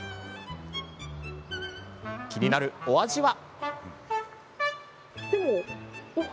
気になるお味は？